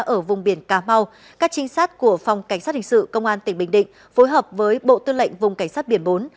ở vùng biển cà mau các trinh sát của phòng cảnh sát hình sự công an tỉnh bình định phối hợp với bộ tư lệnh vùng cảnh sát biển bốn